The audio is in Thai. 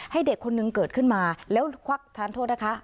ให้เด็กคนนึงเกิดขึ้นมาแล้วควักทานโทษนะคะ